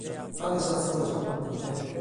Cales atziones acumprire?